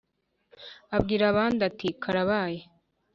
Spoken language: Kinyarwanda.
Abwira abandi ati: «Karabaye! »